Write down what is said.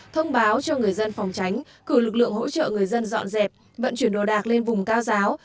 thông báo cho người dân phòng tránh cử lực lượng hỗ trợ người dân dọn dẹp vận chuyển đồ đạc lên vùng cao giáo